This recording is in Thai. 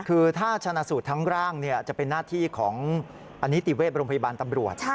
คือถ้าชนะสูตรทั้งร่างจะเป็นหน้าที่ของอนิติเวชโรงพยาบาลตำรวจ